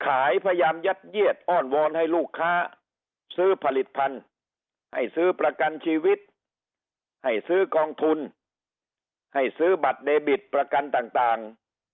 พยายามยัดเยียดอ้อนวอนให้ลูกค้าซื้อผลิตภัณฑ์ให้ซื้อประกันชีวิตให้ซื้อกองทุนให้ซื้อบัตรเดบิตประกันต่าง